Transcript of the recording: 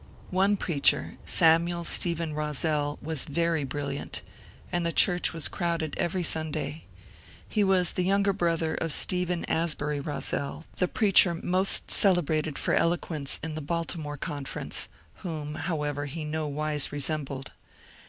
One preacher, Samuel Stephen Roszel, was very brilliant, and the church was crowded every Sunday. He was the younger brother of Stephen Asbury Roszel, the preacher most celebrated for eloquence in the Baltimore Conference, whom, however, he nowise resembled.